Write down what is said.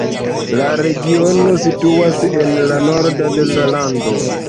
La regiono situas en la nordo de la lando.